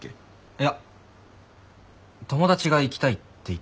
いや友達が行きたいって言ってて。